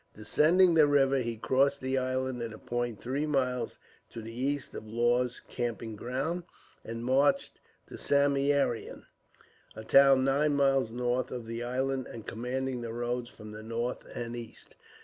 Descending the river, he crossed the island at a point three miles to the east of Law's camping ground, and marched to Samieaveram, a town nine miles north of the island, and commanding the roads from the north and east.